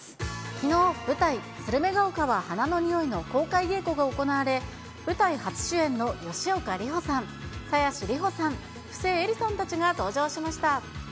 きのう、舞台、スルメが丘は花の匂いが公開稽古が行われ、舞台初主演の吉岡里帆さん、鞘師里保さん、ふせえりさんたちが登場しました。